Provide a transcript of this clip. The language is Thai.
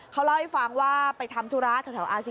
เขาเล่าให้ฟังว่าไปทำธุราช